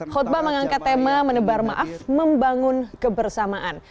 khutbah mengangkat tema menebar maaf membangun kebersamaan